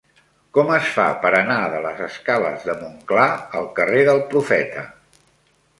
Com es fa per anar de les escales de Montclar al carrer del Profeta?